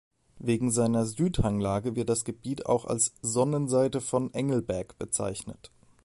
Wegen seiner Südhanglage wird das Gebiet auch als «Sonnenseite von Engelberg» bezeichnet.